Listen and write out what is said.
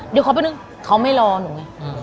เดี๋ยวขอไปนึงเขาไม่รอหนูไง